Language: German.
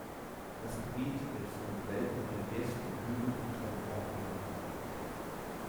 Das Gebiet wird vom gewellten Relief der Hügel um Clermont eingenommen.